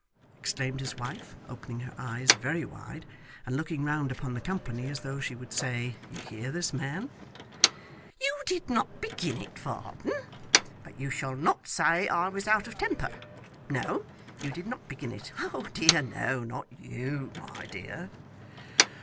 exclaimed his wife, opening her eyes very wide and looking round upon the company, as though she would say, You hear this man! 'You did not begin it, Varden! But you shall not say I was out of temper. No, you did not begin it, oh dear no, not you, my dear!